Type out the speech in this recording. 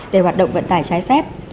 để hoạt động vận tải trái phép